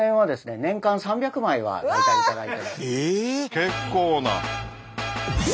結構な。